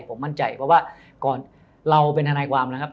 เพราะว่าก่อนเราเป็นธนายความนะครับ